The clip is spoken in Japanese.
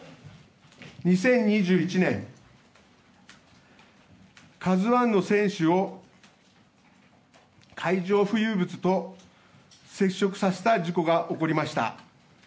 ２０２１年「ＫＡＺＵ１」の船首を海上浮遊物と接触させた事故が起こりました。